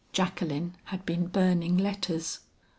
"Jacqueline had been burning letters.